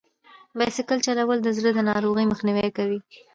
بایسکل چلول د زړه د ناروغیو مخنیوی کوي.